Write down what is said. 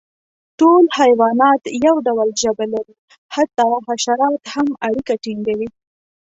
ټول حیوانات یو ډول ژبه لري، حتی حشرات هم اړیکه ټینګوي.